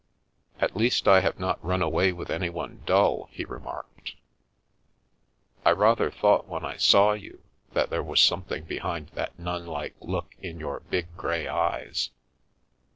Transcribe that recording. " At least I have not run away with anyone dull," he remarked. " I rather thought when I saw you that there was something behind that nun like look in your big, grey eyes.